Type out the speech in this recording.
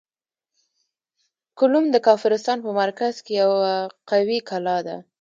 کولوم د کافرستان په مرکز کې یوه قوي کلا ده.